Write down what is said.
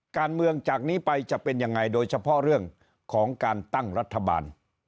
การเมืองจากนี้ไปจะเป็นยังไงโดยเฉพาะเรื่องของการตั้งรัฐบาล